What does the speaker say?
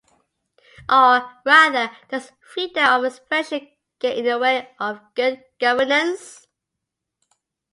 Or, rather, does freedom of expression get in the way of good governance?